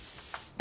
誰？